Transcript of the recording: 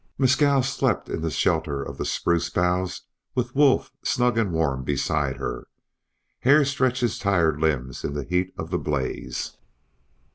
Mescal slept in the shelter of the spruce boughs with Wolf snug and warm beside her. Hare stretched his tired limbs in the heat of the blaze.